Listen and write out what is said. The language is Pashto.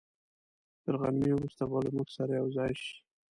تر غرمې وروسته به له موږ سره یوځای شي.